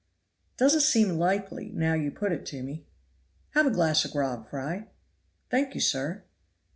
"Doesn't seem likely now you put it to me." "Have a glass of grog, Fry." "Thank you, sir."